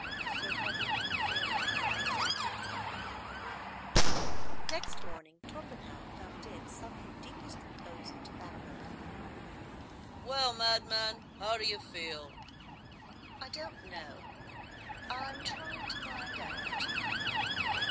Sir Hoggie and the Fairies Next morning Torpenhow found Dick sunk in deepest repose of tobacco. "Well, madman, how d'you feel?" "I don't know. I'm trying to find out."